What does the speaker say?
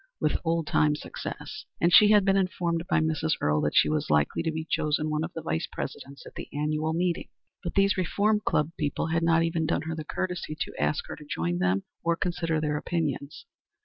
with old time success, and she had been informed by Mrs. Earle that she was likely to be chosen one of the Vice Presidents at the annual meeting. But these Reform Club people had not even done her the courtesy to ask her to join them or consider their opinions.